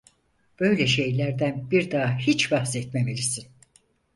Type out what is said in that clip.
Böyle şeylerden bir daha hiç bahsetmemelisin…